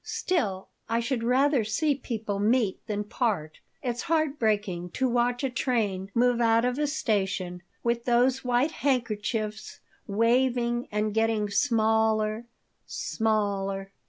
"Still, I should rather see people meet than part. It's heartbreaking to watch a train move out of a station, with those white handkerchiefs waving, and getting smaller, smaller.